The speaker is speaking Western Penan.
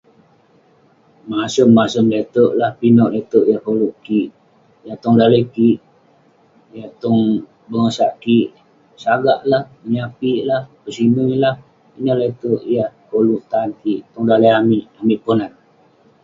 Masem masem le'terk lah, pinek le'terk yah koluk kik, yah tong daleh kik, yah tong bengosak kik, sagak lah, menyapik lah, pesinui lah, ineh le'terk yah koluk tan kik tong daleh amik ponan.